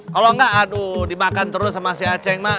kalau enggak aduh dimakan terus sama si aceh mak